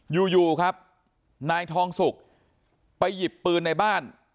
อยู่ครับนายทองสุกไปหยิบปืนในบ้าน